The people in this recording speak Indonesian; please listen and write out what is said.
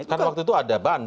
kan waktu itu ada ban